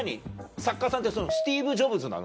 作家さんってスティーブ・ジョブズなの？